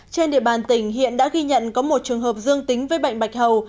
trên địa bàn tỉnh hiện đã ghi nhận có một trường hợp dương tính với bệnh bạch hầu